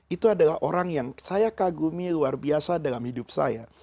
itu adalah orang yang saya kagumi luar biasa dalam hidup saya